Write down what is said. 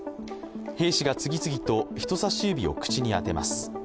兵士が次々と人さし指を口に当てます。